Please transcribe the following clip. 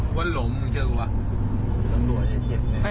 กลัวลมเชื่อกับปะ